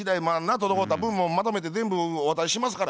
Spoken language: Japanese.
滞った分もまとめて全部お渡ししますから」